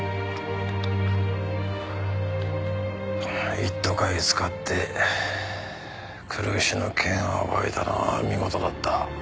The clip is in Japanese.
一途会使って黒石の件を暴いたのは見事だった。